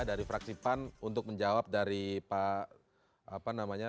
dari fraksi pan untuk menjawab dari pak apa namanya